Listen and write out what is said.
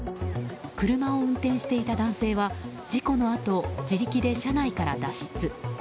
車を運転していた男性は事故のあと、自力で車内から脱出。